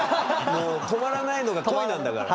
もう止まらないのが恋なんだから。